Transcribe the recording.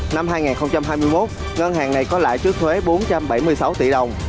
năm hai nghìn hai mươi một ngân hàng này có lãi trước thuế bốn trăm bảy mươi sáu tỷ đồng